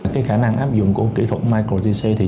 cái khả năng áp dụng của kỹ thuật micro test thì chúng ta cùng nhau